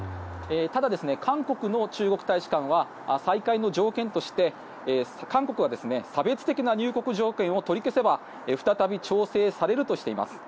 ただ、韓国の中国大使館は再開の条件として韓国は差別的な入国条件を取り消せば再び調整されるとしています。